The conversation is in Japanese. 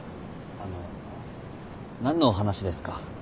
あの何のお話ですか？